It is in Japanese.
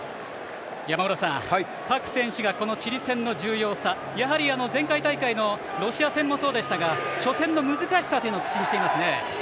山村さん、各選手がチリ戦の重要さやはり前回大会のロシア戦もそうでしたが初戦の難しさを口にしていますね。